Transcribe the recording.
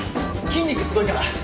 筋肉すごいから。